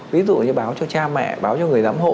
ví dụ như báo cho cha mẹ báo cho người giám hộ